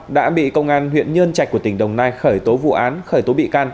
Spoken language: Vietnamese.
đã bị công an huyện nhơn chạch của tỉnh đồng nai khởi tố vụ án khởi tố bị can